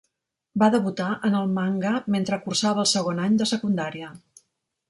Va debutar en el manga mentre cursava el segon any de secundària.